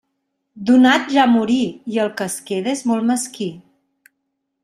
Donat ja morí, i el que es queda és molt mesquí.